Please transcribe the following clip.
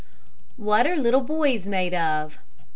WHAT ARE LITTLE BOYS MADE OF?